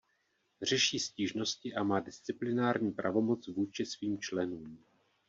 Řeší stížnosti a má disciplinární pravomoc vůči svým členům.